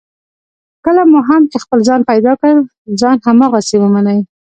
کله مو هم چې خپل ځان پیدا کړ، ځان هماغسې ومنئ.